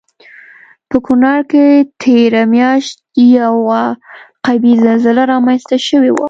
په کنړ کې تېره میاشت یوه قوي زلزله رامنځته شوی وه